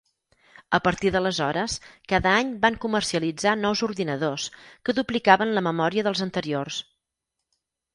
A partir d'aleshores cada any van comercialitzar nous ordinadors, que duplicaven la memòria dels anteriors.